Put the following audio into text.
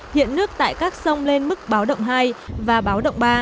hiện nước tại các sông lên mức báo động hai và báo động ba